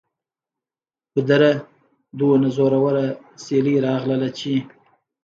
ګودره! دومره زوروره سیلۍ راغلله چې